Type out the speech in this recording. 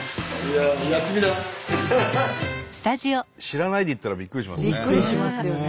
知らないで行ったらびっくりしますね。